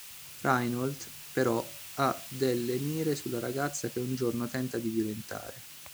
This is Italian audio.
Reynolds, però, ha delle mire sulla ragazza che un giorno tenta di violentare.